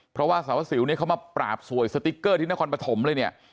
เพราะว่าสาวสิวเนี่ยเขามาปราบสวยสติ๊กเกอร์ที่นครปฐมเลยเนี่ย